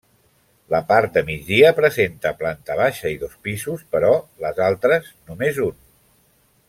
La part de migdia presenta planta baixa i dos pisos, però les altres només un.